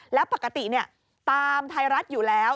แล้วปกติตามไทยรัฐอยู่แล้ว